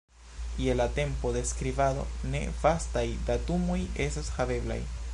Je la tempo de skribado ne vastaj datumoj estas haveblaj.